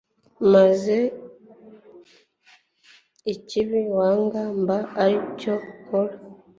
maze ikibi wanga mba ari cyo nkora